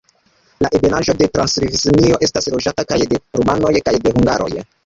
La Ebenaĵo de Transilvanio estas loĝata kaj de rumanoj kaj de hungaroj.